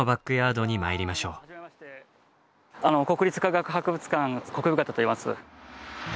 国立科学博物館國府方といいます。